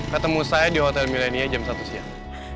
ketemu saya di hotel milenia jam satu siang